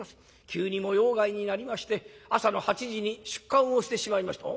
急に模様替えになりまして朝の８時に出棺をしてしまいました』。